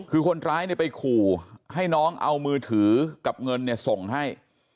คือคนร้ายไปขู่ให้น้องเอามือถือกับเงินส่งให้